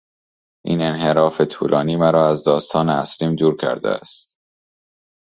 این انحراف طولانی مرا از داستان اصلیم دور کرده است.